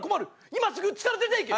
今すぐうちから出ていけ！